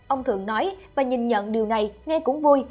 ông thượng nói và nhìn nhận điều này nghe cũng vui